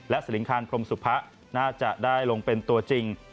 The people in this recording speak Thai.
สลิงคารพรมสุภะน่าจะได้ลงเป็นตัวจริง